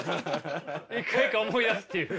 一回一回思い出すっていう。